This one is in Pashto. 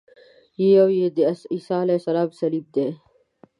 یو یې د عیسی علیه السلام صلیب دی.